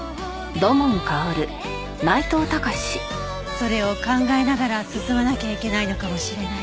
それを考えながら進まなきゃいけないのかもしれない。